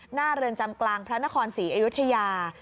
เรือนจำกลางพระนครศรีอยุธยา